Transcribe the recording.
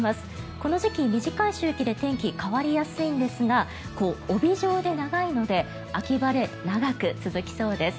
この時期、短い周期で天気、変わりやすいんですが帯状で長いので秋晴れ、長く続きそうです。